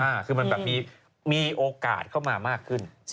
คือมันแบบมีโอกาสเข้ามามากขึ้น